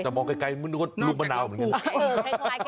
จะมองไกลมึงดูว่าลูกมะนาวเหมือนกัน